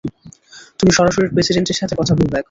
তুমি সরাসরি প্রেসিডেন্টের সাথে কথা বলবে এখন!